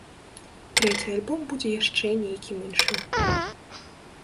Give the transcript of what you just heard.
Трэці альбом будзе яшчэ нейкім іншым.